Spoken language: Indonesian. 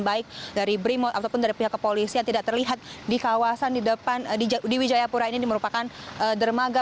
baik dari brimo ataupun dari pihak kepolisian tidak terlihat di kawasan di depan di wijayapura ini merupakan dermaga